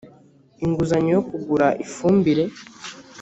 inguzanyo yo kugura ifumbire